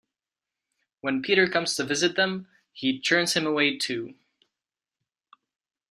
When Peter comes to visit them, he turns him away too.